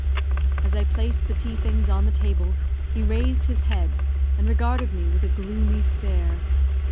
As I placed the tea things on the table, he raised his head, and regarded me with a gloomy stare.